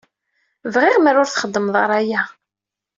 Bɣiɣ mer ur txeddmeḍ ara aya.